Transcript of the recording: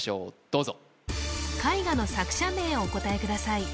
どうぞ絵画の作者名をお答えください